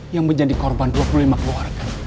yang menjadi korban dua puluh lima keluarga